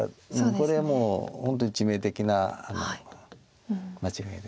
これもう本当に致命的な間違いで。